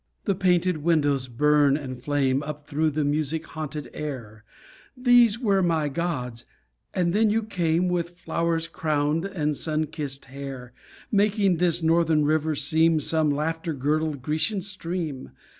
The painted windows burn and flame Up through the music haunted air; These were my gods and then you came With flowers crowned and sun kissed hair, Making this northern river seem Some laughter girdled Grecian stream.